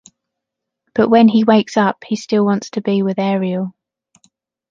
But when he wakes up, he still wants to be with Aeriel.